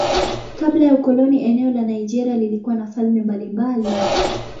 Kabla ya ukoloni eneo la Nigeria lilikuwa na falme mbalimbali.